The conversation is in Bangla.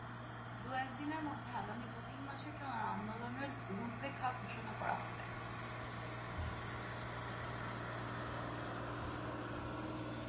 দু-এক দিনের মধ্যে আগামী দু-তিন মাসের জন্য আন্দোলনের রূপরেখা ঘোষণা করা হবে।